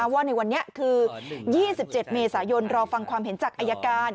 ว่าในวันนี้คือ๒๗เมษายนรอฟังความเห็นจากอายการ